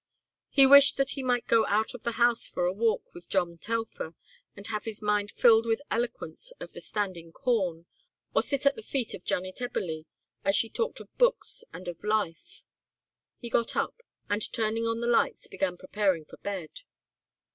He wished that he might go out of the house for a walk with John Telfer and have his mind filled with eloquence of the standing corn, or sit at the feet of Janet Eberly as she talked of books and of life. He got up and turning on the lights began preparing for bed.